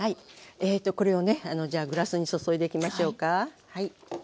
えっとこれをねじゃあグラスに注いでいきましょうか。